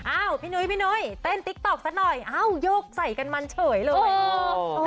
อ้าวพี่นุ้ยเต้นติ๊กต็อกสักหน่อยอ้าวยกใส่กันมันเฉยเลย